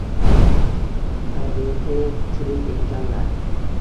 — Xayriyat-ye, tirik ekanlar!..